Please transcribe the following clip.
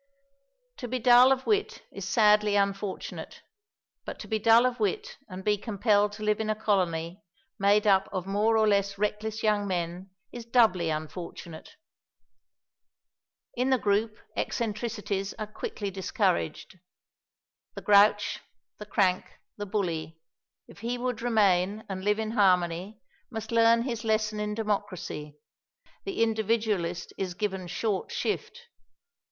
_ To be dull of wit is sadly unfortunate, but to be dull of wit and be compelled to live in a Colony made up of more or less reckless young men is doubly unfortunate. In the group eccentricities are quickly discouraged. The grouch, the crank, the bully, if he would remain and live in harmony must learn his lesson in democracy the individualist is given short shift.